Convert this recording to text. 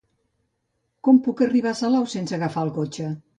Com puc arribar a Salou sense agafar el cotxe?